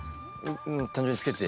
単純につけて。